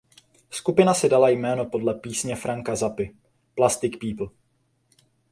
Skupina si dala jméno podle písně Franka Zappy „Plastic People“.